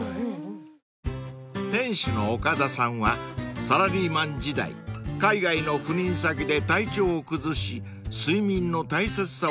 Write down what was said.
［店主の岡田さんはサラリーマン時代海外の赴任先で体調を崩し］